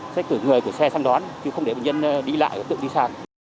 sẽ cử người của xe sang đón chứ không để bệnh nhân đi lại tự đi sàn